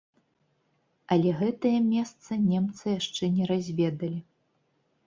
Але гэтае месца немцы яшчэ не разведалі.